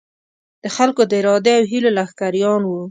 د خلکو د ارادې او هیلو لښکریان وو.